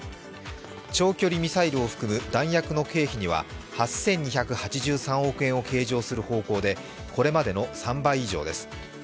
長距離ミサイルを含む弾薬の経費には８２８３億円を計上する方向でこれまでの３倍以上です。